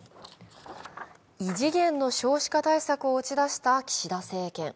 異次元の少子化対策を打ち出した岸田政権。